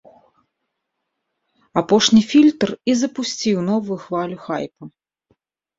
Апошні фільтр і запусціў новую хвалю хайпа.